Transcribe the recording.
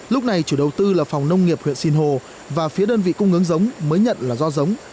lúc này chủ đầu tư là phòng nông nghiệp huyện sinh hồ và phía đơn vị cung ứng giống mới nhận là do giống